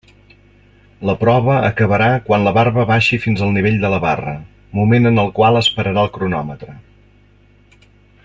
La prova acabarà quan la barba baixi fins al nivell de la barra, moment en el qual es pararà el cronòmetre.